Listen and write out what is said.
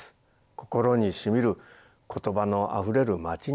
心にしみる言葉のあふれる街にする。